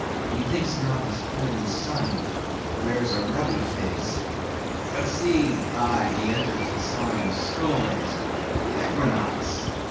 Methinks now this coined sun wears a ruddy face; but see! aye, he enters the sign of storms, the equinox!